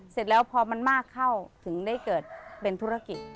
เสร็จแล้วพอมันมากเข้าถึงได้เกิดเป็นธุรกิจ